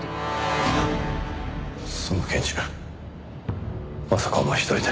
その拳銃まさかお前一人で？